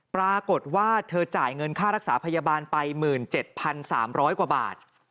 ปรากฏว่าเธอจ่ายเงินค่ารักษาพยาบาลไป๑๗๓๐๐กว่าบาท